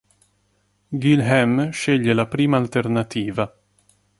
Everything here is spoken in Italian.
Guilhem sceglie la prima alternativa.